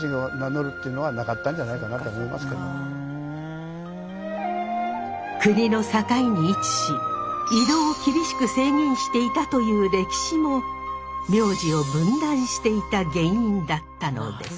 名前もそんなに国の境に位置し移動を厳しく制限していたという歴史も名字を分断していた原因だったのです。